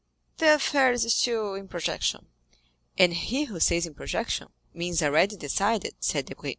"The affair is still in projection." "And he who says in 'projection,' means already decided," said Debray.